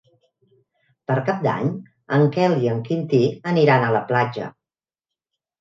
Per Cap d'Any en Quel i en Quintí aniran a la platja.